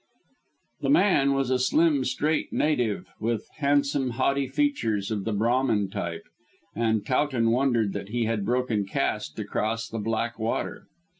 The man was a slim, straight native, with handsome, haughty features of the Brahmin type, and Towton wondered that he had broken caste to cross the Black Water.